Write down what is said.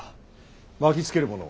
巻きつけるものを。